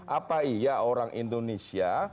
apa iya orang indonesia